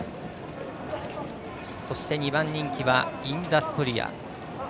そして２番人気はインダストリア。